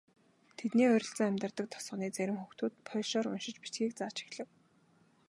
Тэдний ойролцоо амьдардаг тосгоны зарим хүүхдүүдэд польшоор уншиж бичихийг зааж эхлэв.